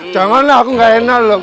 jangan lah aku gak enak loh